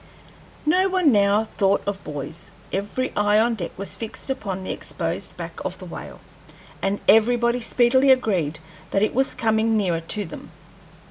No one now thought of buoys. Every eye on deck was fixed upon the exposed back of the whale, and everybody speedily agreed that it was coming nearer to them.